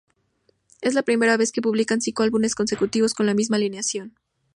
Es la primera vez que publican cinco álbumes consecutivos con la misma alineación.